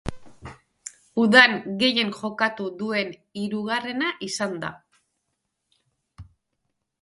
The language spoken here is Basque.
Udan gehien jokatu duen hirugarrena izan da.